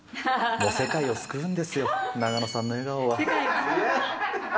もう世界を救うんですよ、永野さ世界を救う！